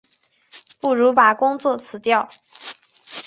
不如把工作辞掉